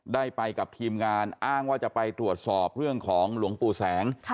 ได้ไปกับทีมงานอ้างว่าจะไปตรวจสอบเรื่องของหลวงปู่แสง